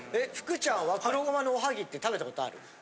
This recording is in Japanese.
福ちゃんは黒ごまのおはぎって食べたことある？